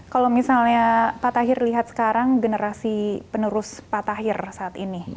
kalau misalnya pak tahir lihat sekarang generasi penerus pak tahir saat ini